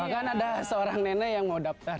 bahkan ada seorang nenek yang mau daftar